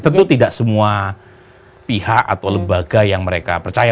tentu tidak semua pihak atau lembaga yang mereka percaya